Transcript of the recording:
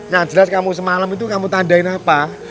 nah jelas kamu semalam itu kamu tandain apa